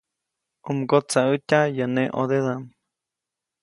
U mgotsaʼätya yäʼ neʼ ʼõdedaʼm.